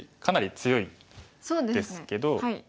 かなり強いですけど。